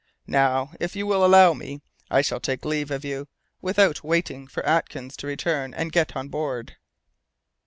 Now, if you will allow me, I shall take leave of you, without waiting for Atkins to return, and get on board."